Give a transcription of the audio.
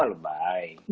oh lebih baik gitu